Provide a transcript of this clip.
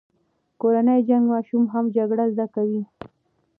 کورنی جنګ ماشومان هم جګړه زده کوي.